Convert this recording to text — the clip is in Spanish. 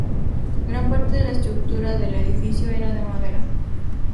Gran parte de la estructura del edificio era de madera.